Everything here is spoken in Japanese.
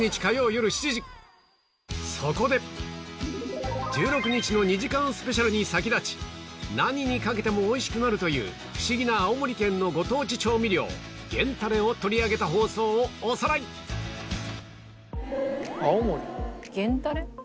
そこで１６日の２時間スペシャルに先立ち何にかけてもおいしくなるというフシギな青森県のご当地調味料源たれを取り上げた放送をおさらい源たれ？